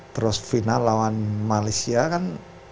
terus final lawan malaysia kan